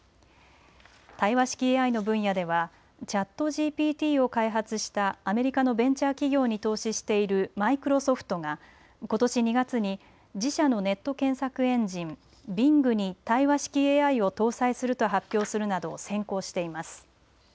対話式ＡＩの分野では、ＣｈａｔＧＰＴを開発したアメリカのベンチャー企業に投資しているマイクロソフトが、ことし２月に、自社のネット検索エンジン、Ｂｉｎｇに対話式ＡＩを搭載すると発表するなど先行しています。